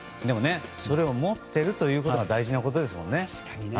それを持っているということが大事なことですもんね。